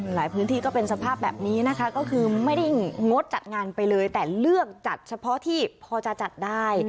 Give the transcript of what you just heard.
หลายพื้นที่ก็เป็นสภาพแบบนี้นะคะก็คือไม่ได้งดจัดงานไปเลยแต่เลือกจัดเฉพาะที่พอจะจัดได้